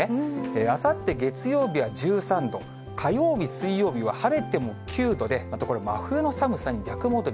あさって月曜日は１３度、火曜日、水曜日は晴れても９度で、またこれ真冬の寒さに逆戻り。